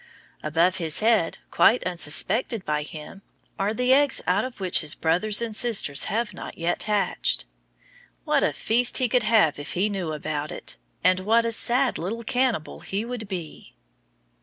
Above his head, quite unsuspected by him, are the eggs out of which his brothers and sisters have not yet hatched. What a feast he could have if he knew about it! And what a sad little cannibal he would be!